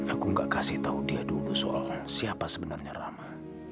aku gak kasih tau dia dulu soal siapa sebenarnya rama